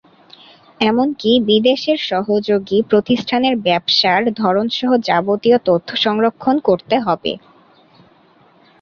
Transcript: এমনকি বিদেশের সহযোগী প্রতিষ্ঠানের ব্যবসার ধরনসহ যাবতীয় তথ্য সংরক্ষণ করতে হবে।